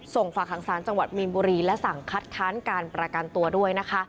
ฝากหางศาลจังหวัดมีนบุรีและสั่งคัดค้านการประกันตัวด้วยนะคะ